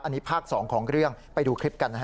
อันนี้ภาค๒ของเรื่องไปดูคลิปกันนะฮะ